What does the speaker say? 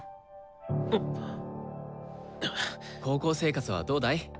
高校生活はどうだい？